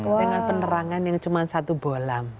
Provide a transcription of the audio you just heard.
dengan penerangan yang cuma satu bola